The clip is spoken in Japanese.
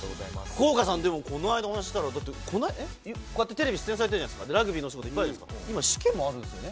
福岡さん、でも、この間、お話ししたら、こうやってテレビ出演されてるじゃないですか、ラグビーのお仕事いっぱいあるじゃないですか、今、試験もあるんですよね？